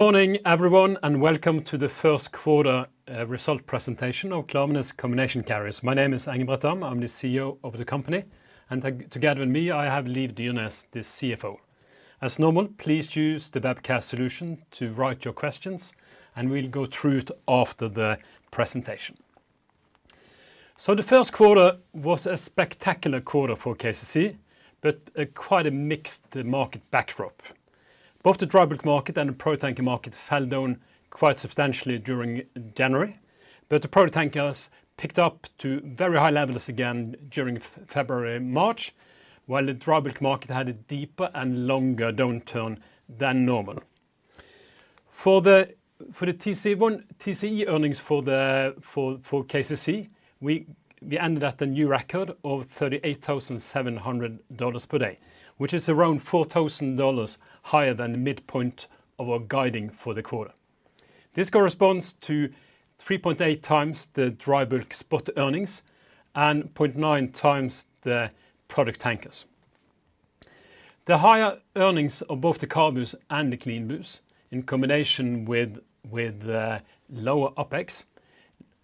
Morning everyone, and welcome to the first quarter, result presentation of Klaveness Combination Carriers. My name is Engebret Dahm. I'm the CEO of the company, and together with me, I have Liv Dyrnes, the CFO. As normal, please use the webcast solution to write your questions, and we'll go through it after the presentation. The first quarter was a spectacular quarter for KCC, but a quite a mixed market backdrop. Both the dry bulk market and the product tanker market fell down quite substantially during January. The product tankers picked up to very high levels again during February and March, while the dry bulk market had a deeper and longer downturn than normal. For the TCE one, TCE earnings for KCC, we ended at the new record of $38,700 per day, which is around $4,000 higher than the midpoint of our guiding for the quarter. This corresponds to 3.8x the dry bulk spot earnings and 0.9x the product tankers. The higher earnings of both the car moves and the clean moves in combination with the lower OPEX,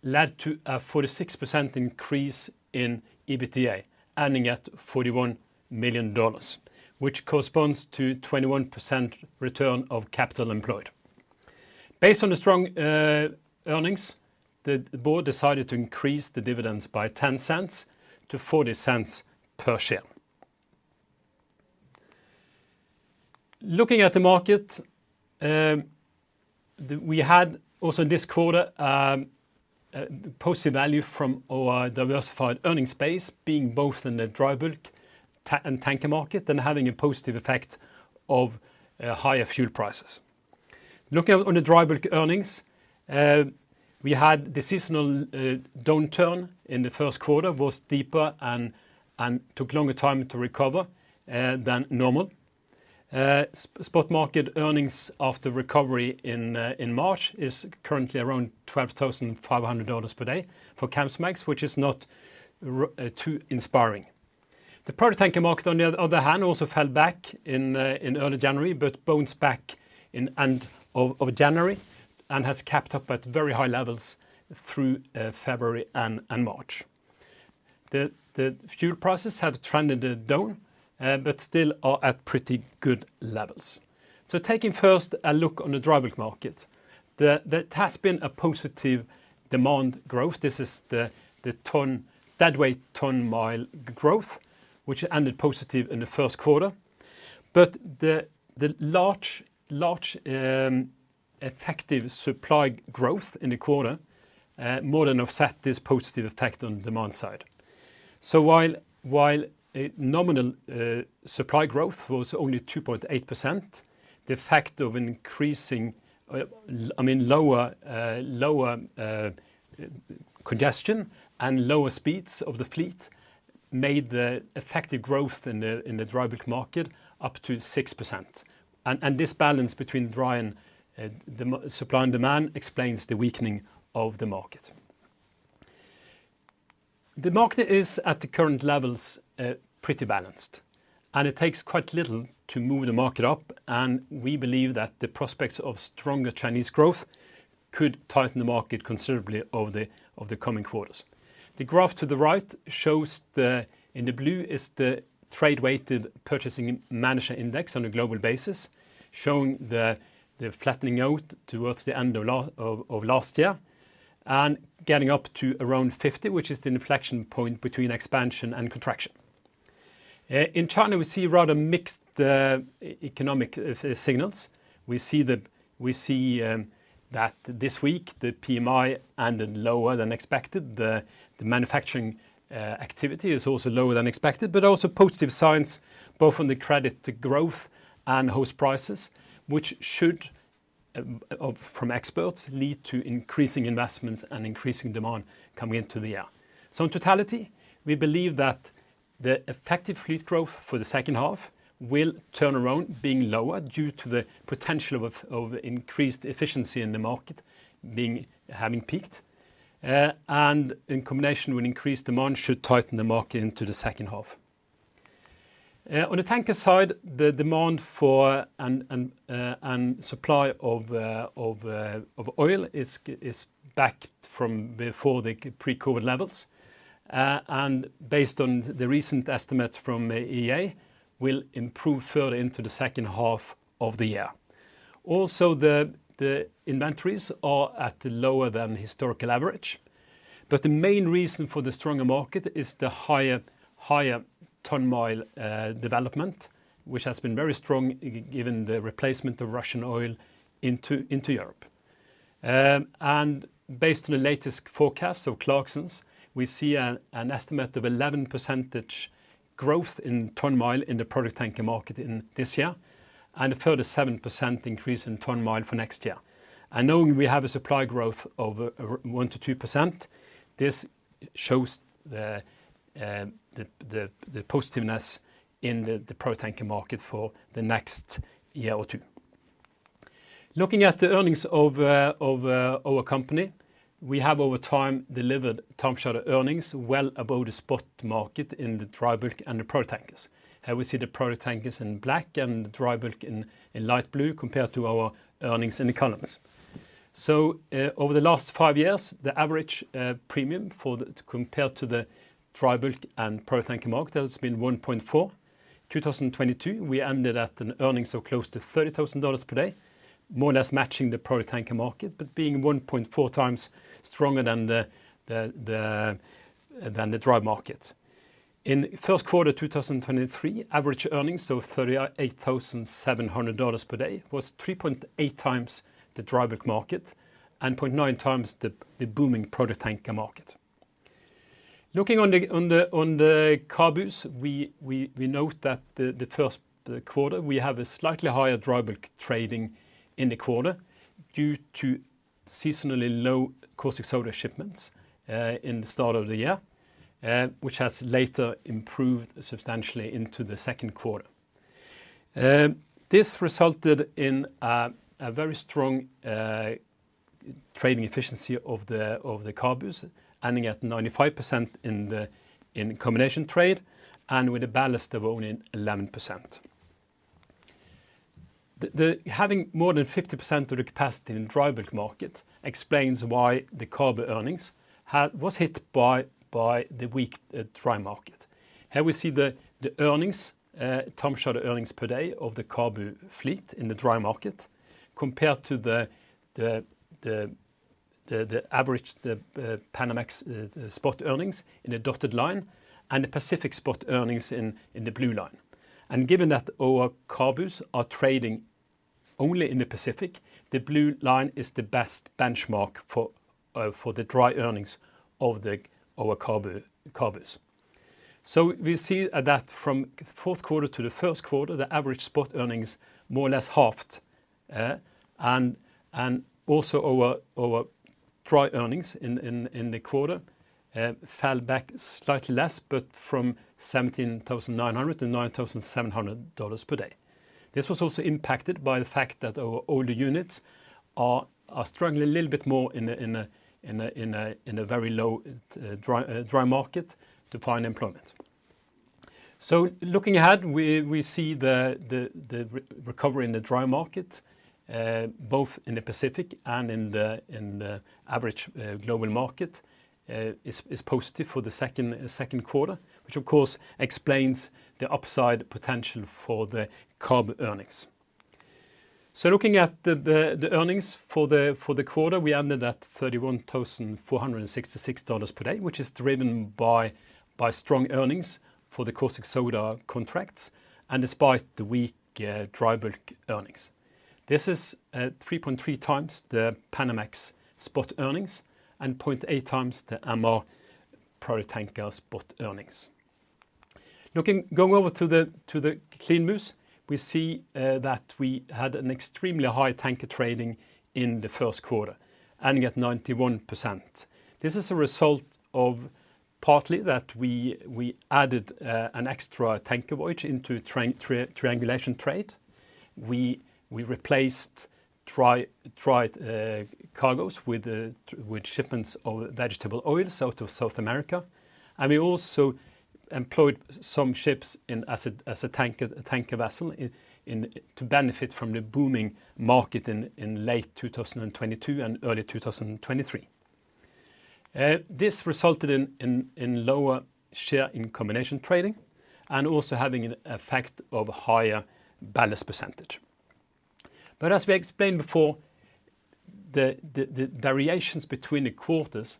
led to a 46% increase in EBITDA, ending at $41 million, which corresponds to 21% return on capital employed. Based on the strong earnings, the board decided to increase the dividends by $0.10 to $0.40 per share. Looking at the market, we had also in this quarter positive value from our diversified earnings base being both in the dry bulk and tanker market and having a positive effect of higher fuel prices. Looking on the dry bulk earnings, we had the seasonal downturn in the first quarter was deeper and took longer time to recover than normal. Spot market earnings after recovery in March is currently around $12,500 per day for Capesize, which is not too inspiring. The product tanker market, on the other hand, also fell back in early January, but bounced back in end of January and has kept up at very high levels through February and March. The fuel prices have trended down, but still are at pretty good levels. Taking first a look on the dry bulk market. There has been a positive demand growth. This is the deadweight ton-mile growth, which ended positive in the first quarter. The large effective supply growth in the quarter more than offset this positive effect on demand side. While a nominal supply growth was only 2.8%, the effect of increasing, I mean, lower congestion and lower speeds of the fleet made the effective growth in the dry bulk market up to 6%. This balance between supply and demand explains the weakening of the market. The market is at the current levels, pretty balanced. It takes quite little to move the market up. We believe that the prospects of stronger Chinese growth could tighten the market considerably over the coming quarters. The graph to the right shows the, in the blue is the trade-weighted Purchasing Managers' Index on a global basis, showing the flattening out towards the end of last year and getting up to around 50, which is the inflection point between expansion and contraction. In China, we see rather mixed economic signals. We see that this week, the PMI ended lower than expected. The manufacturing activity is also lower than expected, but also positive signs both on the credit to growth and house prices, which should, from experts, lead to increasing investments and increasing demand coming into the year. In totality, we believe that the effective fleet growth for the second half will turn around being lower due to the potential of increased efficiency in the market being, having peaked, and in combination with increased demand should tighten the market into the second half. On the tanker side, the demand for and supply of oil is back from before the pre-COVID levels, and based on the recent estimates from IEA will improve further into the second half of the year. Also, the inventories are at the lower than historical average. The main reason for the stronger market is the higher ton-mile development, which has been very strong given the replacement of Russian oil into Europe. Based on the latest forecast of Clarksons, we see an estimate of 11% growth in ton-mile in the product tanker market in this year and a further 7% increase in ton-mile for next year. Knowing we have a supply growth of 1%-2%, this shows the positiveness in the product tanker market for the next year or two. Looking at the earnings of our company. We have over time delivered time charter earnings well above the spot market in the dry bulk and the product tankers. Here we see the product tankers in black and the dry bulk in light blue compared to our earnings in the columns. Over the last five years, the average premium for the compared to the dry bulk and product tanker market has been 1.4. 2022, we ended at an earnings of close to $30,000 per day, more or less matching the product tanker market, but being 1.4x stronger than the dry market. In first quarter 2023, average earnings, so $38,700 per day, was 3.8x the dry bulk market and 0.9x the booming product tanker market. Looking on the CABUs, we note that the first quarter, we have a slightly higher dry bulk trading in the quarter due to seasonally low caustic soda shipments in the start of the year, which has later improved substantially into the second quarter. This resulted in a very strong trading efficiency of the CABUs ending at 95% in combination trade and with a ballast of only 11%. The having more than 50% of the capacity in dry bulk market explains why the CABU earnings was hit by the weak dry market. Here we see the earnings, time charter earnings per day of the CABU fleet in the dry market compared to the average Panamax spot earnings in the dotted line and the Pacific spot earnings in the blue line. Given that our CABUs are trading only in the Pacific, the blue line is the best benchmark for the dry earnings of our CABUs. We see that from fourth quarter to the first quarter, the average spot earnings more or less halved, and also our dry earnings in the quarter fell back slightly less but from $17,900 to $9,700 per day. This was also impacted by the fact that our older units are struggling a little bit more in a very low dry market to find employment. Looking ahead, we see the recovery in the dry market, both in the Pacific and in the average global market, is positive for the second quarter, which of course explains the upside potential for the CABU earnings. Looking at the earnings for the quarter, we ended at $31,466 per day, which is driven by strong earnings for the caustic soda contracts and despite the weak dry bulk earnings. This is 3.3x the Panamax spot earnings and 0.8x the MR product tanker spot earnings. Going over to the CLEANBUs, we see that we had an extremely high tanker trading in the first quarter, ending at 91%. This is a result of partly that we added an extra tanker voyage into triangulation trade. We replaced dry cargos with shipments of vegetable oil out of South America. We also employed some ships as a tanker vessel to benefit from the booming market in late 2022 and early 2023. This resulted in lower share in combination trading and also having an effect of higher ballast percentage. As we explained before, the variations between the quarters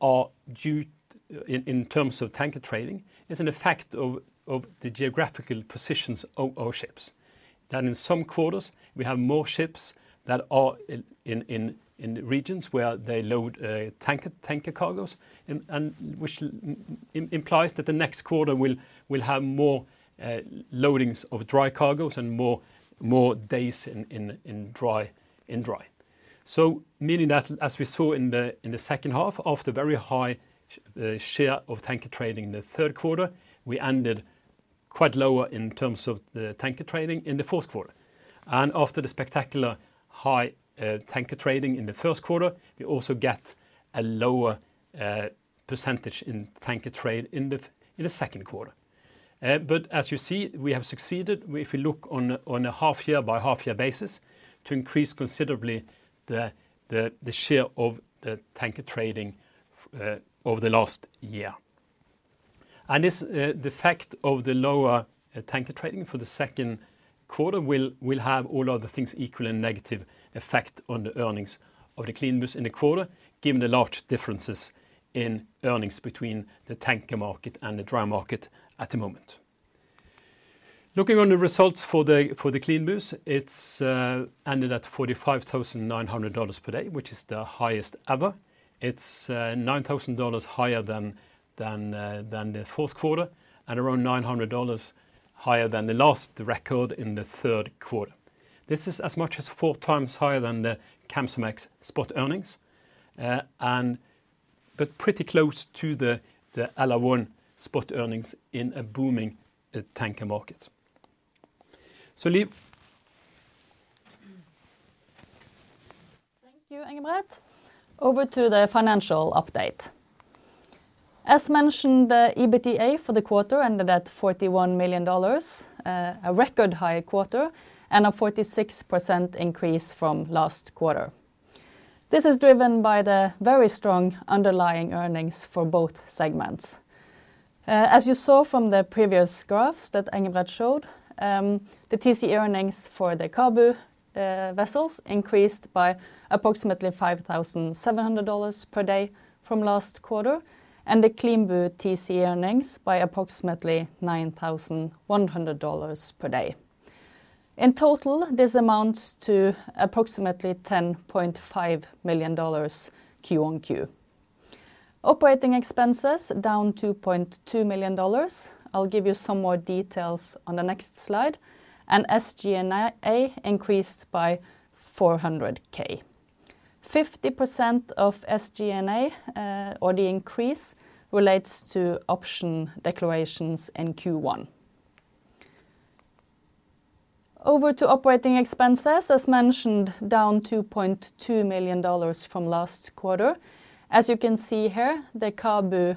are due in terms of tanker trading is an effect of the geographical positions of our ships. That in some quarters, we have more ships that are in regions where they load tanker cargos and which implies that the next quarter will have more loadings of dry cargos and more days in dry. Meaning that as we saw in the second half, after very high share of tanker trading in the third quarter, we ended quite lower in terms of the tanker trading in the fourth quarter. After the spectacular high tanker trading in the first quarter, we also get a lower percentage in tanker trade in the second quarter. As you see, we have succeeded, if we look on a half year by half year basis, to increase considerably the share of the tanker trading over the last year. This, the fact of the lower tanker trading for the second quarter will have all other things equal and negative effect on the earnings of the CLEANBUs in the quarter, given the large differences in earnings between the tanker market and the dry market at the moment. Looking on the results for the CLEANBUs, it's ended at $45,900 per day, which is the highest ever. It's $9,000 higher than the fourth quarter and around $900 higher than the last record in the third quarter. This is as much as 4x higher than the Kamsarmax spot earnings, but pretty close to the LR1 spot earnings in a booming tanker market. Liv. Thank you, Engebret. Over to the financial update. As mentioned, the EBITDA for the quarter ended at $41 million, a record high quarter and a 46% increase from last quarter. This is driven by the very strong underlying earnings for both segments. As you saw from the previous graphs that Engebret showed, the TC earnings for the CABU vessels increased by approximately $5,700 per day from last quarter, and the CLEANBU TC earnings by approximately $9,100 per day. In total, this amounts to approximately $10.5 million Q on Q. Operating expenses down $2.2 million. I'll give you some more details on the next slide. SG&A increased by $400K. 50% of SG&A, or the increase relates to option declarations in Q1. Over to operating expenses, as mentioned, down $2.2 million from last quarter. As you can see here, the CABU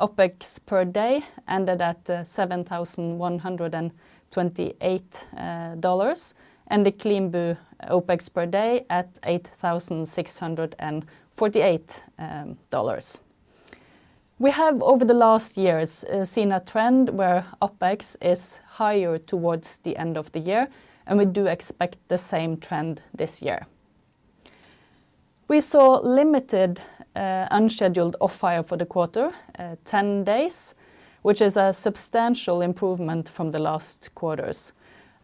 OPEX per day ended at $7,128, and the CLEANBU OPEX per day at $8,648. We have over the last years seen a trend where OPEX is higher towards the end of the year. We do expect the same trend this year. We saw limited unscheduled off-hire for the quarter, 10 days, which is a substantial improvement from the last quarters,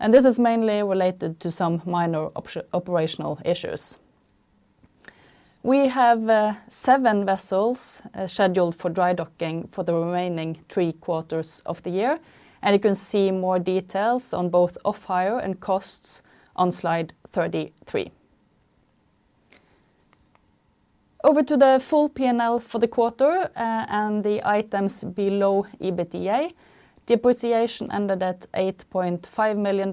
and this is mainly related to some minor operational issues. We have seven vessels scheduled for dry docking for the remaining three quarters of the year. You can see more details on both off-hire and costs on slide 33. Over to the full P&L for the quarter, the items below EBITDA. Depreciation ended at $8.5 million.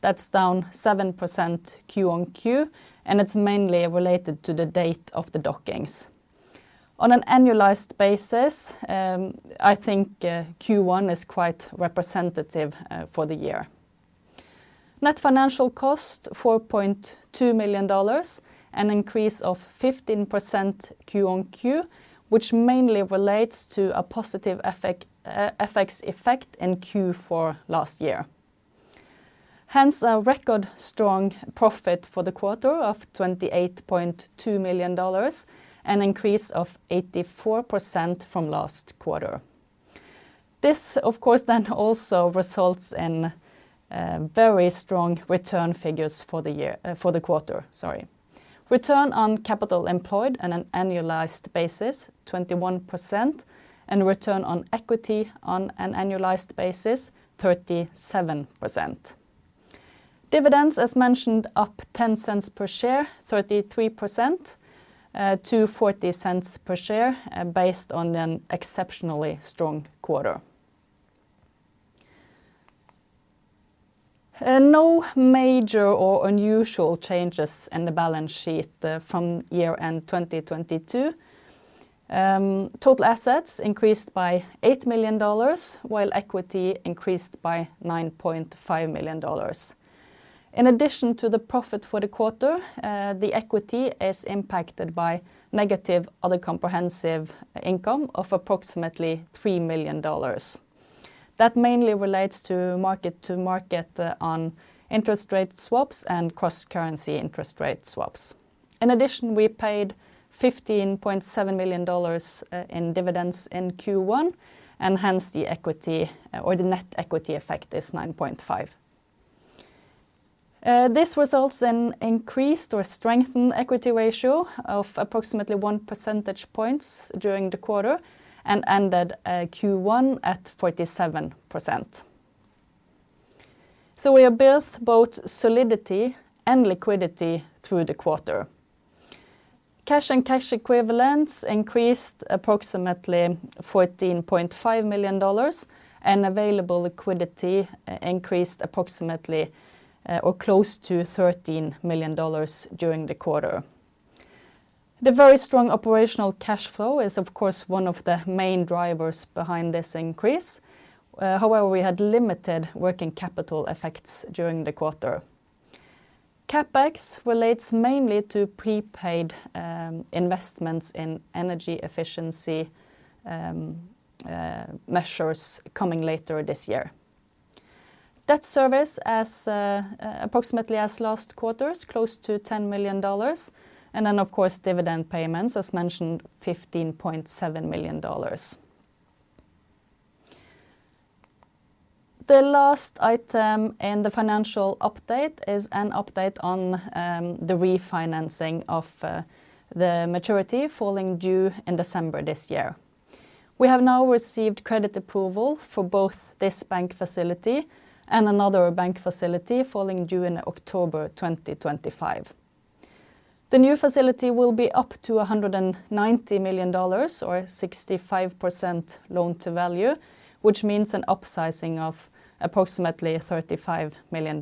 That's down 7% Q-on-Q, and it's mainly related to the date of the dockings. On an annualized basis, I think Q1 is quite representative for the year. Net financial cost $4.2 million, an increase of 15% Q-on-Q, which mainly relates to a positive effect in Q4 last year. A record strong profit for the quarter of $28.2 million, an increase of 84% from last quarter. This, of course, also results in very strong return figures for the year, for the quarter, sorry. Return on capital employed on an annualized basis, 21%, and return on equity on an annualized basis, 37%. Dividends as mentioned up $0.10 per share, 33%, to $0.40 per share, based on an exceptionally strong quarter. No major or unusual changes in the balance sheet from year-end 2022. Total assets increased by $8 million, while equity increased by $9.5 million. In addition to the profit for the quarter, the equity is impacted by negative other comprehensive income of approximately $3 million. That mainly relates to mark-to-market on interest rate swaps and cross-currency interest rate swaps. In addition, we paid $15.7 million in dividends in Q1, and hence the equity or the net equity effect is $9.5 million. This results in increased or strengthened equity ratio of approximately one percentage point during the quarter and ended Q1 at 47%. We have built both solidity and liquidity through the quarter. Cash and cash equivalents increased approximately $14.5 million and available liquidity increased approximately or close to $13 million during the quarter. The very strong operational cash flow is of course one of the main drivers behind this increase. However, we had limited working capital effects during the quarter. CapEx relates mainly to prepaid investments in energy efficiency measures coming later this year. Debt service as approximately as last quarters, close to $10 million. Of course, dividend payments, as mentioned, $15.7 million. The last item in the financial update is an update on the refinancing of the maturity falling due in December this year. We have now received credit approval for both this bank facility and another bank facility falling due in October 2025. The new facility will be up to $190 million or 65% loan-to-value, which means an upsizing of approximately $35 million.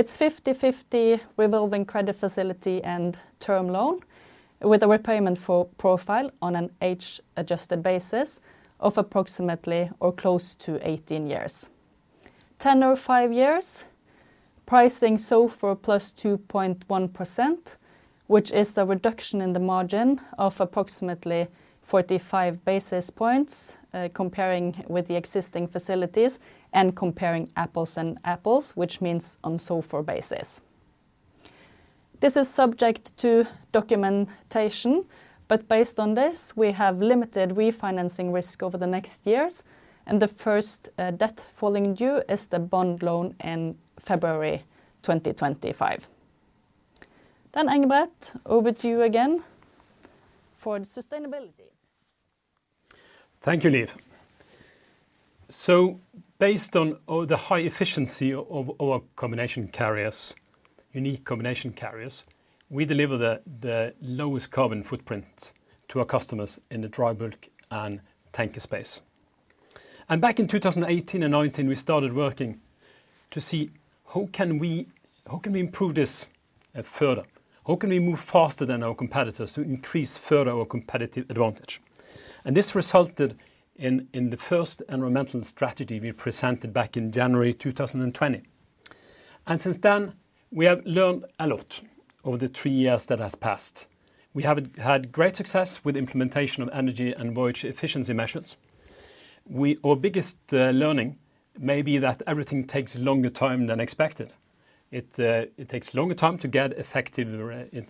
It's 50/50 revolving credit facility and term loan with a repayment for profile on an age adjusted basis of approximately or close to 18 years. Ten or five years pricing SOFR plus 2.1%, which is a reduction in the margin of approximately 45 basis points, comparing with the existing facilities and comparing apples and apples, which means on SOFR basis. This is subject to documentation, but based on this, we have limited refinancing risk over the next years, and the first debt falling due is the bond loan in February 2025. Engebret, over to you again for sustainability. Thank you, Liv. Based on all the high efficiency of our combination carriers, unique combination carriers, we deliver the lowest carbon footprint to our customers in the dry bulk and tanker space. Back in 2018 and 2019, we started working to see how can we improve this further? How can we move faster than our competitors to increase further our competitive advantage. This resulted in the first environmental strategy we presented back in January 2020. Since then, we have learned a lot over the three years that has passed. We have had great success with implementation of energy and voyage efficiency measures. Our biggest learning may be that everything takes longer time than expected. It takes longer time to get effective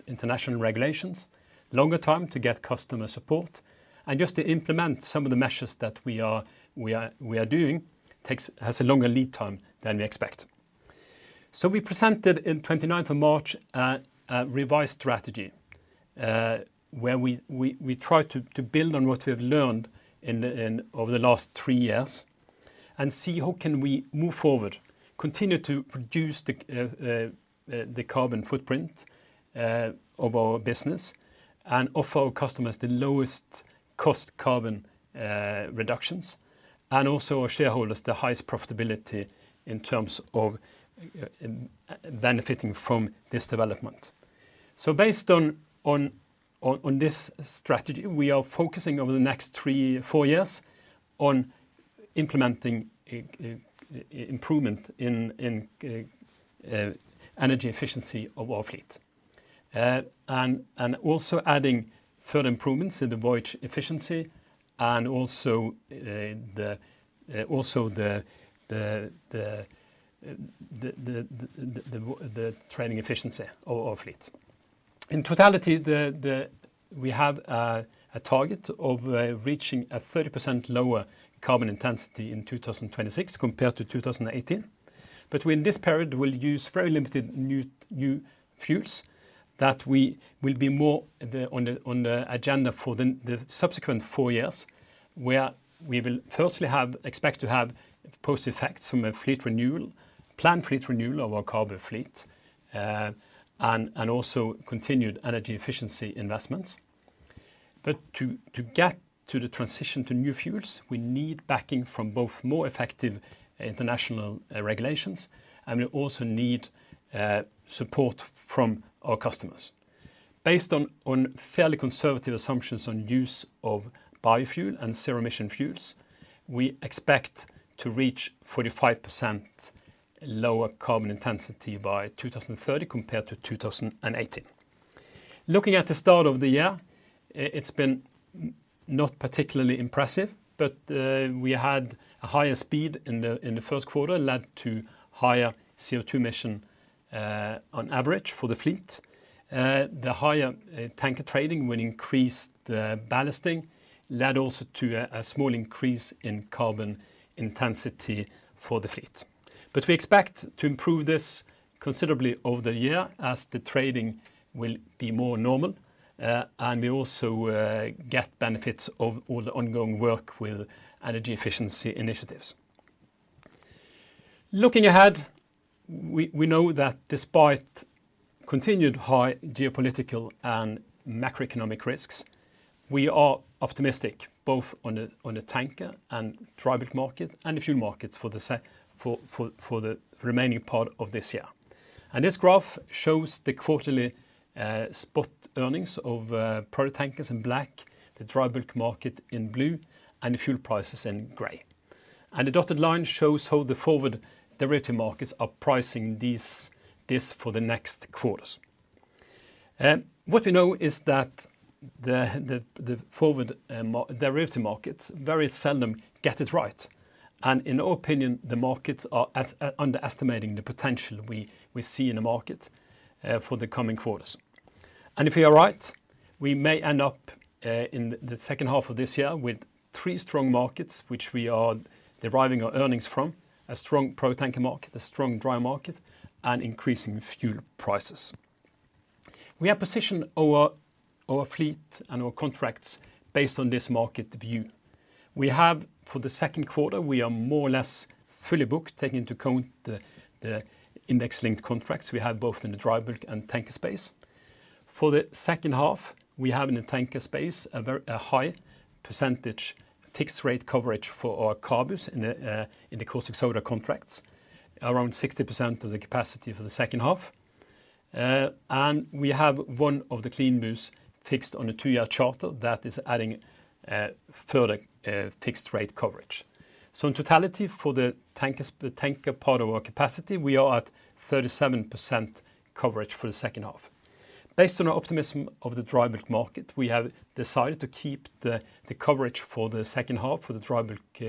international regulations, longer time to get customer support, and just to implement some of the measures that we are doing has a longer lead time than we expect. We presented in 29th of March a revised strategy where we try to build on what we have learned over the last three years and see how can we move forward, continue to reduce the carbon footprint of our business and offer our customers the lowest cost carbon reductions, and also our shareholders the highest profitability in terms of benefiting from this development. Based on this strategy, we are focusing over the next three, four years on implementing an improvement in energy efficiency of our fleet. And also adding further improvements in the voyage efficiency and also the trading efficiency of our fleet. In totality, we have a target of reaching a 30% lower carbon intensity in 2026 compared to 2018. We, in this period, will use very limited new fuels that we will be more on the agenda for the subsequent four years, where we will firstly have, expect to have post effects from a fleet renewal, planned fleet renewal of our CABU fleet, and also continued energy efficiency investments. To get to the transition to new fuels, we need backing from both more effective international regulations, and we also need support from our customers. Based on fairly conservative assumptions on use of biofuel and zero-emission fuels, we expect to reach 45% lower carbon intensity by 2030 compared to 2018. Looking at the start of the year, it's been not particularly impressive, we had a higher speed in the first quarter, led to higher CO2 emission on average for the fleet. The higher tanker trading will increase the ballasting led also to a small increase in carbon intensity for the fleet. We expect to improve this considerably over the year as the trading will be more normal, and we also get benefits of all the ongoing work with energy efficiency initiatives. Looking ahead, we know that despite continued high geopolitical and macroeconomic risks, we are optimistic both on the tanker and dry bulk market and the fuel markets for the remaining part of this year. This graph shows the quarterly spot earnings of product tankers in black, the dry bulk market in blue, and the fuel prices in gray. The dotted line shows how the forward derivative markets are pricing these, this for the next quarters. What we know is that the forward derivative markets very seldom get it right. In our opinion, the markets are as underestimating the potential we see in the market for the coming quarters. If we are right, we may end up in the second half of this year with three strong markets which we are deriving our earnings from, a strong product tanker market, a strong dry market, and increasing fuel prices. We have positioned our fleet and our contracts based on this market view. We have for the second quarter, we are more or less fully booked taking into account the index-linked contracts we have both in the dry bulk and tanker space. For the second half, we have in the tanker space a very high percentage fixed rate coverage for our CABUs in the caustic soda contracts, around 60% of the capacity for the second half. We have one of the CLEANBUs fixed on a two-year charter that is adding further fixed rate coverage. In totality for the tanker part of our capacity, we are at 37% coverage for the second half. Based on our optimism of the dry bulk market, we have decided to keep the coverage for the second half for the dry bulk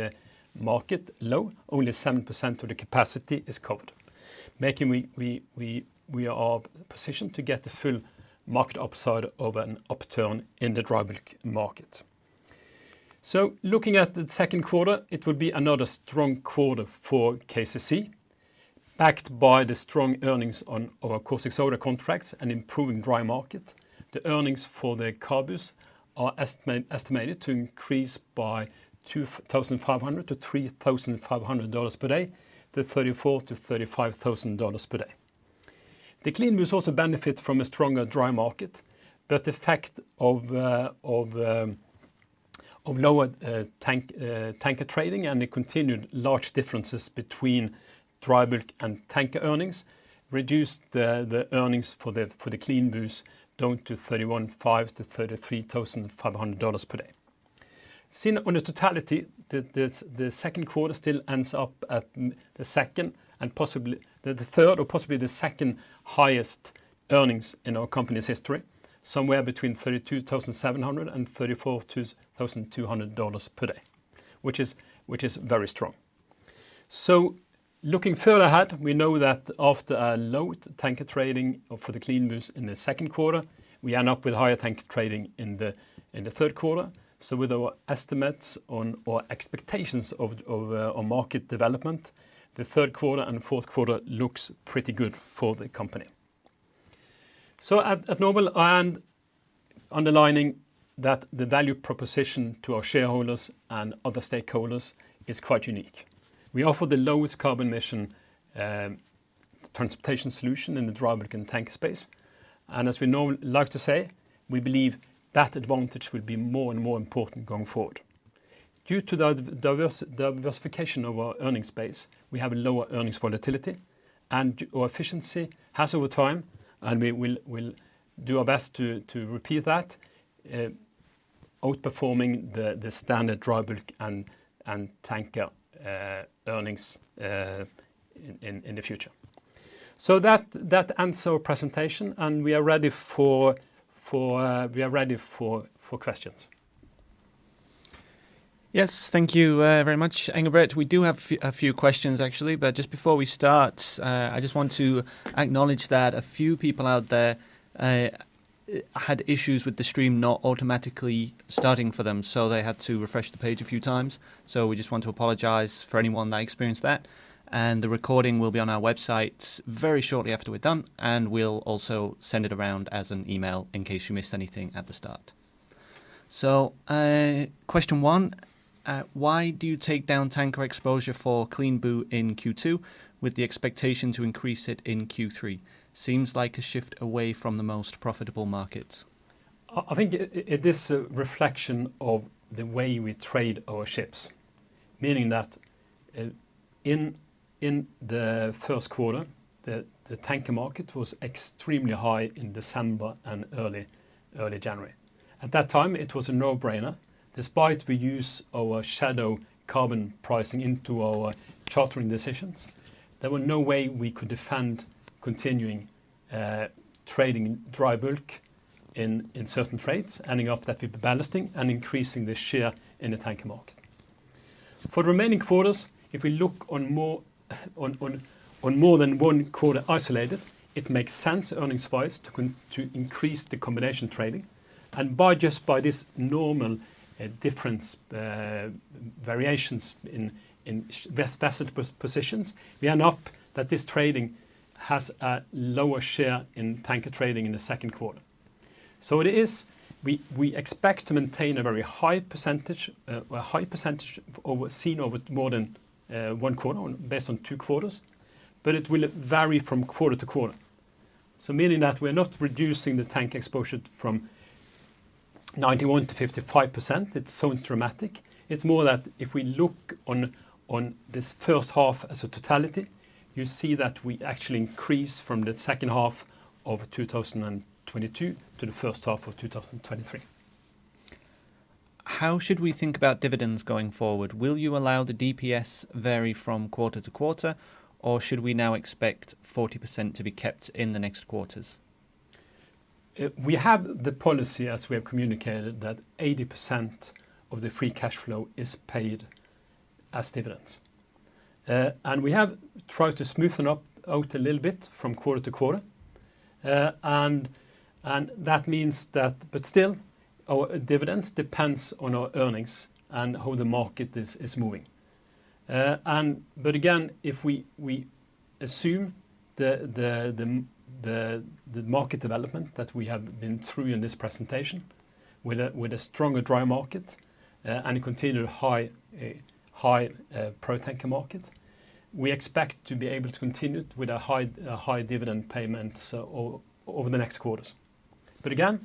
market low. Only 7% of the capacity is covered. Making we are positioned to get the full market upside of an upturn in the dry bulk market. Looking at the second quarter, it will be another strong quarter for KCC, backed by the strong earnings on our caustic soda contracts and improving dry market. The earnings for the CABUs are estimated to increase by $2,500-$3,500 per day to $34,000-$35,000 per day. The CLEANBUs also benefit from a stronger dry market, the fact of lower tanker trading and the continued large differences between dry bulk and tanker earnings reduced the earnings for the CLEANBUs down to $31,500-$33,500 per day. Seen on a totality, the second quarter still ends up at the second and possibly the third or possibly the second-highest earnings in our company's history, somewhere between $32,700 and $34,200 per day, which is very strong. Looking further ahead, we know that after a low tanker trading or for the CLEANBUs in the second quarter, we end up with higher tanker trading in the third quarter. With our estimates on or expectations on market development, the third quarter and fourth quarter looks pretty good for the company. At normal and underlining that the value proposition to our shareholders and other stakeholders is quite unique. We offer the lowest carbon emission transportation solution in the dry bulk and tanker space, and as we like to say, we believe that advantage will be more and more important going forward. Due to the diversification of our earnings base, we have a lower earnings volatility and our efficiency has over time, and we will do our best to repeat that, outperforming the standard dry bulk and tanker earnings in the future. That ends our presentation. We are ready for questions. Yes. Thank you, very much, Engebret. We do have a few questions actually. Just before we start, I just want to acknowledge that a few people out there had issues with the stream not automatically starting for them, so they had to refresh the page a few times. We just want to apologize for anyone that experienced that, and the recording will be on our website very shortly after we're done, and we'll also send it around as an email in case you missed anything at the start. Question one, why do you take down tanker exposure for CLEANBU in Q2 with the expectation to increase it in Q3? Seems like a shift away from the most profitable markets. I think it is a reflection of the way we trade our ships, meaning that, in the first quarter, the tanker market was extremely high in December and early January. At that time, it was a no-brainer. Despite we use our shadow carbon pricing into our chartering decisions, there were no way we could defend continuing trading dry bulk in certain trades, ending up that with the ballasting and increasing the share in the tanker market. For the remaining quarters, if we look on more than one quarter isolated, it makes sense earnings-wise to increase the combination trading. By just by this normal difference, variations in vessel positions, we end up that this trading has a lower share in tanker trading in the second quarter. It is we expect to maintain a very high percentage, a high percentage seen over more than one quarter based on two quarters, but it will vary from quarter to quarter. Meaning that we're not reducing the tank exposure from 91 to 55%. It's so dramatic. It's more that if we look on this first half as a totality, you see that we actually increase from the second half of 2022 to the first half of 2023. How should we think about dividends going forward? Will you allow the DPS vary from quarter to quarter, or should we now expect 40% to be kept in the next quarters? We have the policy, as we have communicated, that 80% of the free cash flow is paid as dividends. We have tried to smoothen out a little bit from quarter to quarter. That means that. Still our dividends depends on our earnings and how the market is moving. Again, if we assume the market development that we have been through in this presentation with a stronger dry market, and continued high, high product market, we expect to be able to continue with a high, high dividend payments over the next quarters. Again,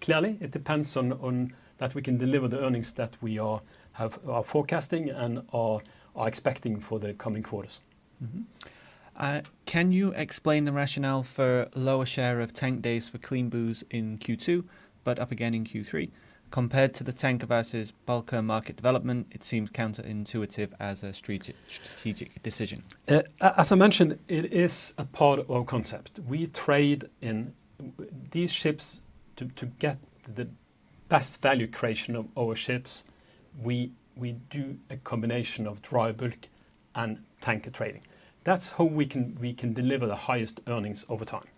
clearly it depends on that we can deliver the earnings that we are forecasting and are expecting for the coming quarters. Can you explain the rationale for lower share of tank days for CLEANBUs in Q2, but up again in Q3? Compared to the tanker versus bulker market development, it seems counterintuitive as a strategic decision. As I mentioned, it is a part of our concept. We trade in these ships to get the best value creation of our ships. We do a combination of dry bulk and tanker trading. That's how we can deliver the highest earnings over time.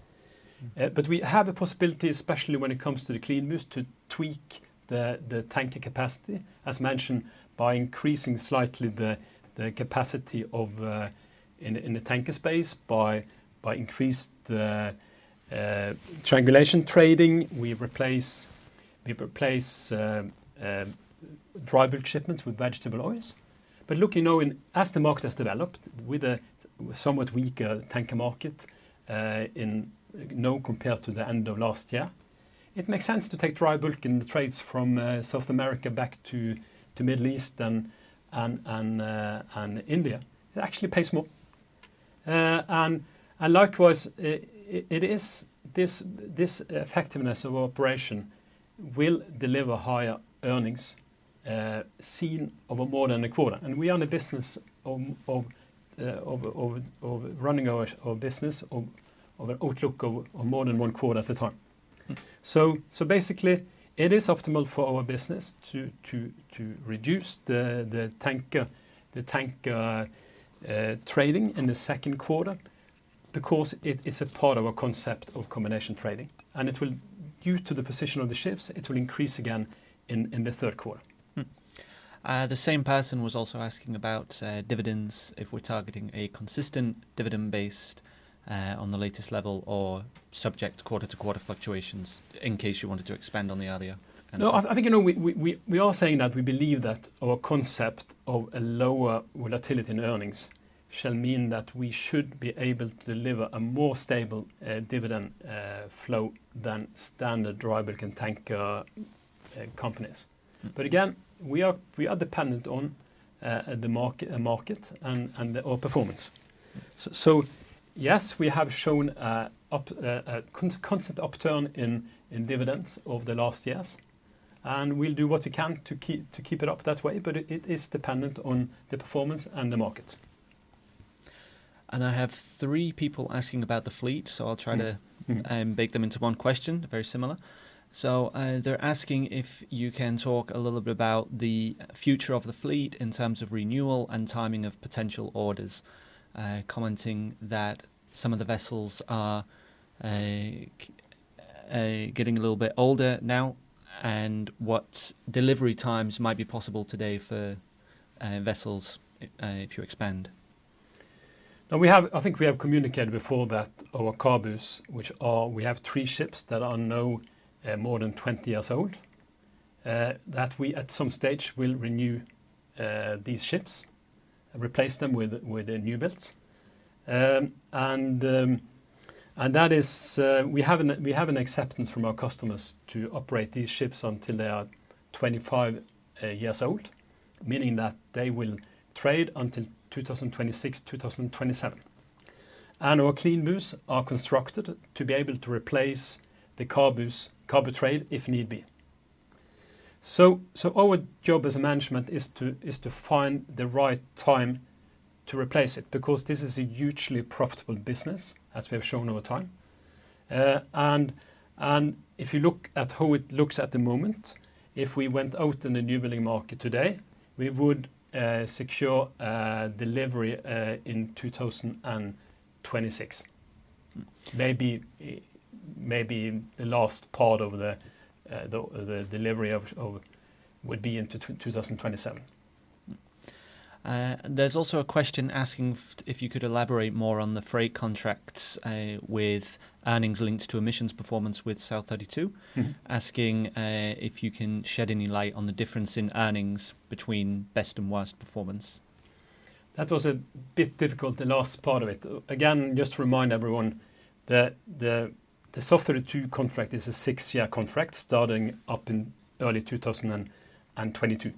Mm-hmm. We have a possibility, especially when it comes to the CLEANBUs, to tweak the tanker capacity, as mentioned, by increasing slightly the capacity of in the, in the tanker space by increased triangulation trade. We replace dry bulk shipments with vegetable oil. Look, you know, as the market has developed with a somewhat weaker tanker market in, you know, compared to the end of last year, it makes sense to take dry bulk in the trades from South America back to Middle East and India. It actually pays more. Likewise, it is this effectiveness of operation will deliver higher earnings seen over more than a quarter. We are in the business of running our business of an outlook of more than one quarter at a time. Mm-hmm. Basically, it is optimal for our business to reduce the tanker trading in the second quarter because it is a part of our concept of combination trading. It will, due to the position of the ships, it will increase again in the third quarter. The same person was also asking about dividends, if we're targeting a consistent dividend based on the latest level or subject quarter to quarter fluctuations, in case you wanted to expand on the earlier answer. I think, you know, we are saying that we believe that our concept of a lower volatility in earnings shall mean that we should be able to deliver a more stable dividend flow than standard dry bulk and tanker companies. Mm-hmm. Again, we are dependent on the market and our performance. Yes, we have shown a up, a constant upturn in dividends over the last years, and we'll do what we can to keep it up that way, but it is dependent on the performance and the markets. I have three people asking about the fleet, so I'll try. Mm-hmm... bake them into one question. Very similar. They're asking if you can talk a little bit about the future of the fleet in terms of renewal and timing of potential orders, commenting that some of the vessels are getting a little bit older now, and what delivery times might be possible today for vessels if you expand. I think we have communicated before that our CABUs, which are, we have three ships that are now more than 20 years old, that we at some stage will renew these ships and replace them with new builds. That is, we have an acceptance from our customers to operate these ships until they are 25 years old, meaning that they will trade until 2026, 2027. Our CLEANBUs are constructed to be able to replace the CABUs trade if need be. Our job as management is to find the right time to replace it, because this is a hugely profitable business, as we have shown over time. If you look at how it looks at the moment, if we went out in the new building market today, we would secure a delivery in 2026. Mm-hmm. Maybe the last part of the delivery of would be into 2027. There's also a question asking if you could elaborate more on the freight contracts with earnings linked to emissions performance with South32. Mm-hmm. Asking, if you can shed any light on the difference in earnings between best and worst performance? That was a bit difficult, the last part of it. Again, just to remind everyone that the South32 contract is a six-year contract starting up in early 2022.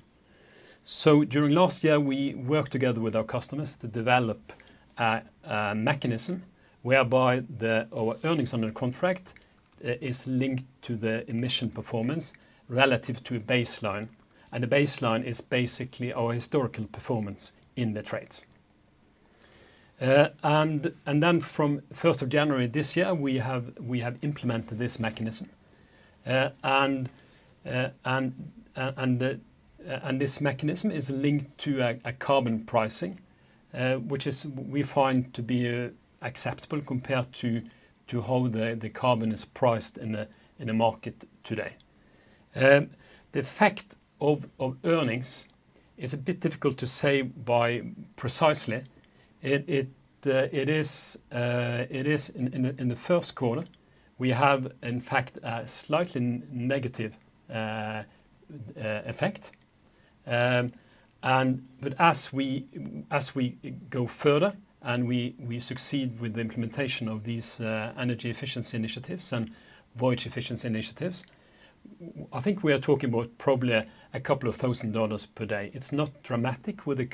During last year, we worked together with our customers to develop a mechanism whereby our earnings under contract is linked to the emission performance relative to a baseline, and the baseline is basically our historical performance in the trades. From first of January this year, we have implemented this mechanism. This mechanism is linked to a carbon pricing which is, we find to be acceptable compared to how the carbon is priced in the market today. The effect of earnings is a bit difficult to say by precisely. It is in the first quarter, we have in fact a slightly negative effect. As we go further and we succeed with the implementation of these energy efficiency initiatives and voyage efficiency initiatives, I think we are talking about probably a couple of thousand dollars per day. It's not dramatic with the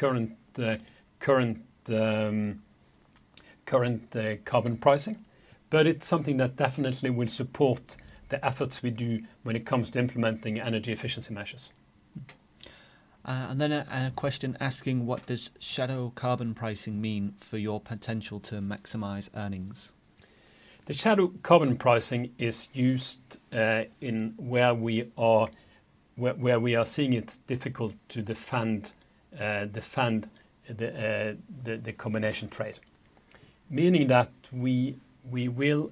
current carbon pricing, but it's something that definitely will support the efforts we do when it comes to implementing energy efficiency measures. A question asking what does shadow carbon pricing mean for your potential to maximize earnings? The shadow carbon pricing is used in where we are seeing it difficult to defend the combination trade. Meaning that we will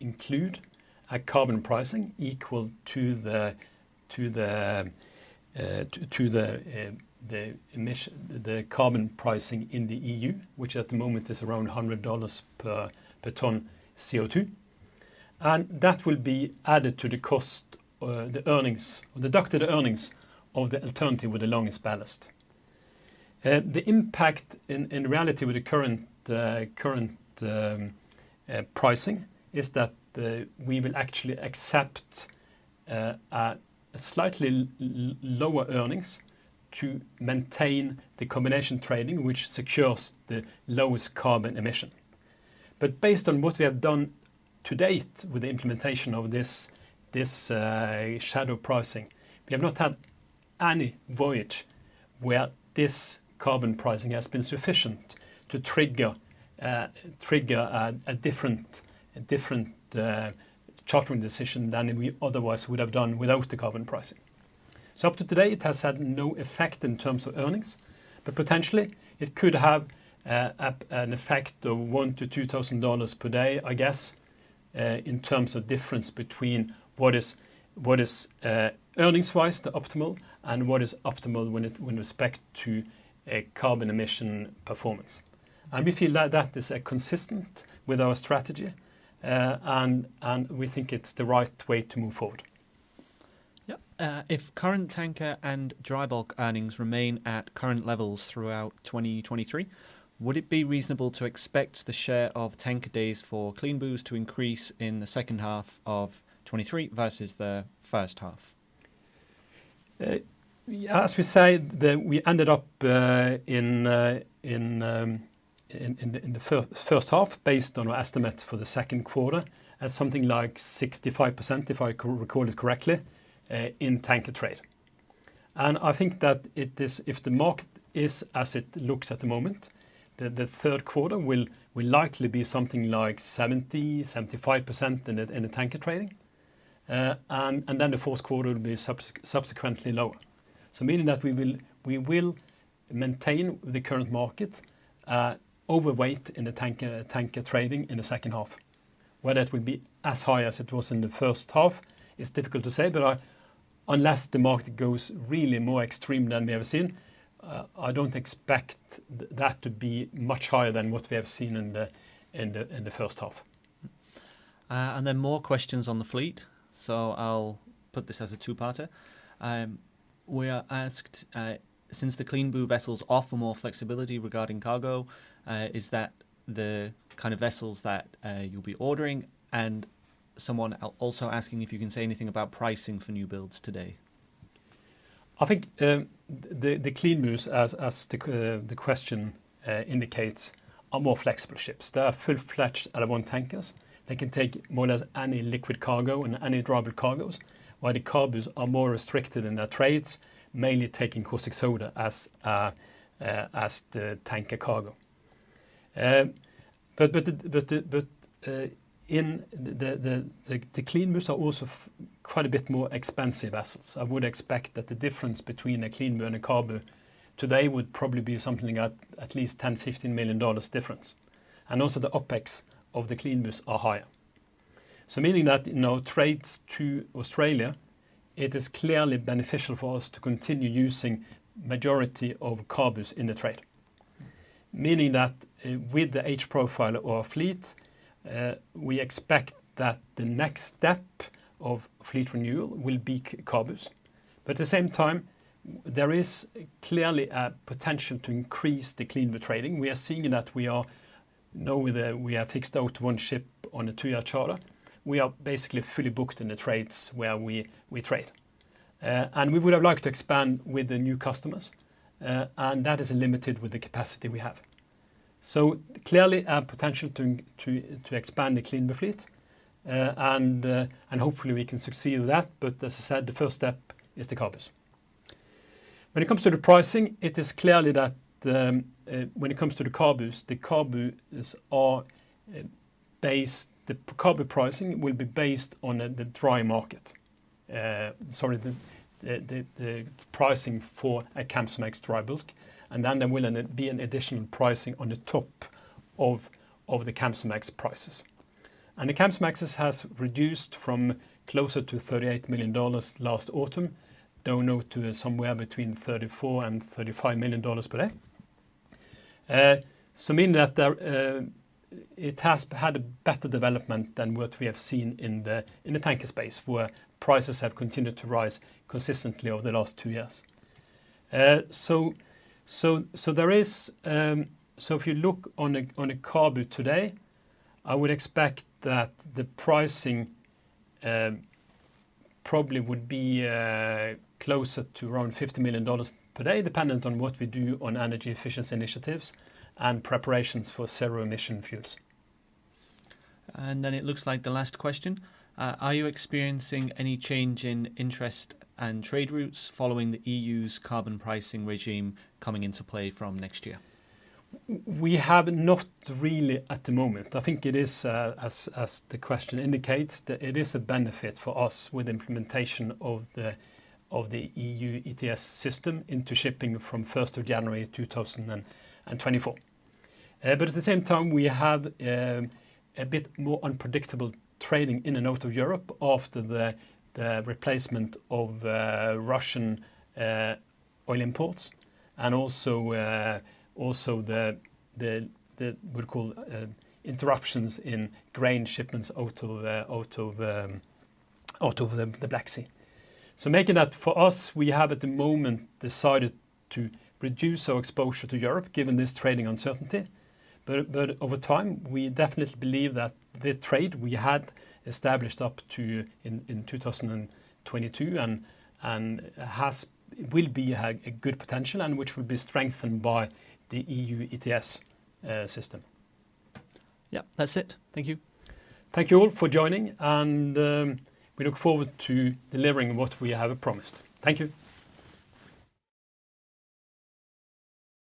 include a carbon pricing equal to the carbon pricing in the EU, which at the moment is around $100 per ton CO2. That will be added to the cost, the earnings or deducted earnings of the alternative with the longest ballast. The impact in reality with the current pricing is that we will actually accept a slightly lower earnings to maintain the combination trading, which secures the lowest carbon emission. Based on what we have done to date with the implementation of this shadow pricing, we have not had any voyage where this carbon pricing has been sufficient to trigger a different chartering decision than we otherwise would have done without the carbon pricing. Up to today, it has had no effect in terms of earnings, but potentially it could have an effect of $1,000-$2,000 per day, I guess, in terms of difference between what is earnings-wise the optimal and what is optimal when respect to a carbon emission performance. We feel that is consistent with our strategy, and we think it's the right way to move forward. Yeah. If current tanker and dry bulk earnings remain at current levels throughout 2023, would it be reasonable to expect the share of tanker days for CLEANBUs to increase in the second half of 23 versus the first half? As we say, we ended up in the first half based on our estimates for the second quarter at something like 65%, if I recall it correctly, in tanker trade. I think that it is, if the market is as it looks at the moment, the third quarter will likely be something like 70-75% in the tanker trading. Then the fourth quarter will be subsequently lower. Meaning that we will maintain the current market overweight in the tanker trading in the second half. Whether it will be as high as it was in the first half is difficult to say, but I, unless the market goes really more extreme than we ever seen, I don't expect that to be much higher than what we have seen in the first half. More questions on the fleet. I'll put this as a two-parter. We are asked, since the CLEANBU vessels offer more flexibility regarding cargo, is that the kind of vessels that you'll be ordering? Someone also asking if you can say anything about pricing for new builds today. I think the CLEANBUs as the question indicates are more flexible ships. They are full-fledged one tankers. They can take more or less any liquid cargo and any dry bulk cargos. While the CABUs are more restricted in their trades, mainly taking caustic soda as the tanker cargo. The CLEANBUs are also quite a bit more expensive assets. I would expect that the difference between a CLEANBU and a CABU today would probably be something at least $10 million-$15 million difference. Also the OPEX of the CLEANBUs are higher. Meaning that, you know, trades to Australia, it is clearly beneficial for us to continue using majority of CABUs in the trade. Meaning that, with the age profile of our fleet, we expect that the next step of fleet renewal will be CABUs. At the same time, there is clearly a potential to increase the CLEANBU trading. We are seeing that we are knowing that we are fixed out one ship on a two-year charter. We are basically fully booked in the trades where we trade. We would have liked to expand with the new customers, and that is limited with the capacity we have. Clearly a potential to expand the CLEANBU fleet, and hopefully we can succeed with that, but as I said, the first step is the CABUs. When it comes to the pricing, it is clearly that when it comes to the CABUs, the CABU pricing will be based on the dry market. Sorry, the pricing for a Capesize dry bulk, then there will be an additional pricing on top of the Capesize prices. The Capesizes has reduced from closer to $38 million last autumn down now to somewhere between $34 million and $35 million per day. Meaning that there it has had a better development than what we have seen in the tanker space where prices have continued to rise consistently over the last two years. If you look on a CABU today, I would expect that the pricing, probably would be, closer to around $50 million per day dependent on what we do on energy efficiency initiatives and preparations for zero-emission fuels. It looks like the last question. Are you experiencing any change in interest and trade routes following the EU's carbon pricing regime coming into play from next year? We have not really at the moment. I think it is as the question indicates that it is a benefit for us with implementation of the EU ETS system into shipping from 1st of January 2024. But at the same time we have a bit more unpredictable trading in and out of Europe after the replacement of Russian oil imports and also the would call interruptions in grain shipments out of the Black Sea. Making that for us, we have at the moment decided to reduce our exposure to Europe given this trading uncertainty. over time we definitely believe that the trade we had established up to in 2022 and will be a good potential and which will be strengthened by the EU ETS system. Yeah, that's it. Thank you. Thank you all for joining and, we look forward to delivering what we have promised. Thank you.